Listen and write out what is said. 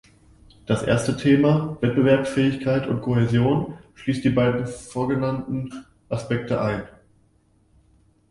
Das erste Thema, Wettbewerbsfähigkeit und Kohäsion, schließt die beiden vorgenannten Aspekte ein.